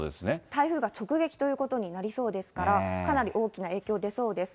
台風が直撃ということになりそうですから、かなり大きな影響出そうです。